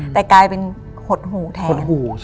แต่กลายเป็นหดหูแทน